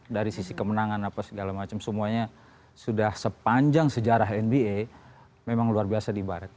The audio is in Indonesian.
dari sisi kemenangan apa segala macam semuanya sudah sepanjang sejarah nba memang luar biasa di barat